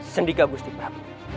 sandika gusti prabowo